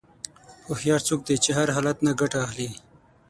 هوښیار څوک دی چې د هر حالت نه ګټه اخلي.